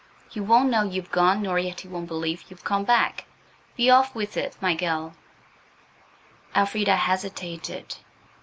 He won't know you've gone nor yet 'e won't believe you've come back. Be off with 'e, my gell." Elfrida hesitated.